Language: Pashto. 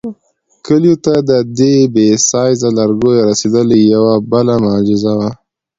کلیو ته د دې بې سایزه لرګیو رسېدل یوه بله معجزه وه.